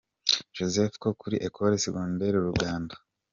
Joseph no kuri Ecole Secondaire Rugando.